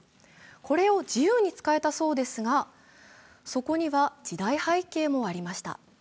これを自由に使えたそうですがそこには時代背景もありました。